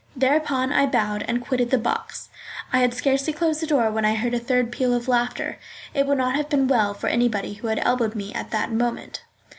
Thereupon I bowed and quitted the box. I had scarcely closed the door when I heard a third peal of laughter. It would not have been well for anybody who had elbowed me at that moment.